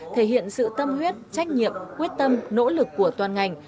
thể hiện sự tâm huyết trách nhiệm quyết tâm nỗ lực của toàn ngành